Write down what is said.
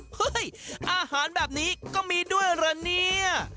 เฮ้ยอาหารแบบนี้ก็มีด้วยเหรอเนี่ย